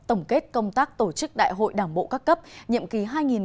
tổng kết công tác tổ chức đại hội đảng bộ các cấp nhiệm ký hai nghìn hai mươi hai nghìn hai mươi năm